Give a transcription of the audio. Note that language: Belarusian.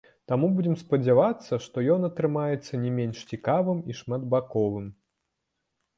Таму будзем спадзявацца, што ён атрымаецца не менш цікавым і шматбаковым.